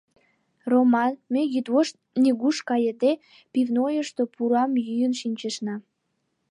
— Роман, ме, йӱдвошт нигуш кайыде, пивнойышто пурам йӱын шинчышна...